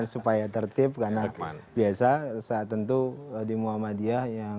supaya tertib karena biasa saat tentu di muhammadiyah yang